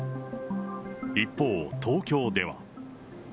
一方、東京では。